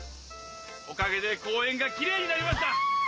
おかげで公園がきれいになりました！